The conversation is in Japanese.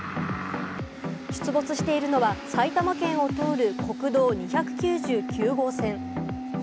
出没しているのは埼玉県を通る国道２９９号線。